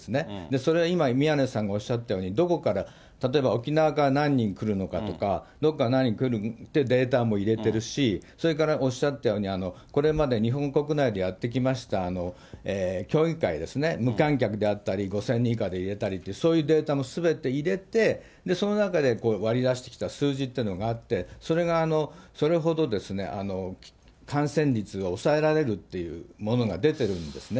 それ、今、宮根さんがおっしゃったように、どこから、例えば沖縄から何人来るのかとか、どこから何人来るってデータ入れてるし、それからおっしゃったように、これまで日本国内でやってきました競技会ですね、無観客であったり、５０００人以下であったり、そういうデータもすべて入れて、その中で割り出してきた数字っていうのがあって、それがそれほど感染率が抑えられるってものが出てるんですね。